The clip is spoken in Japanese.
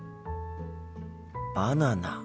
バナナか。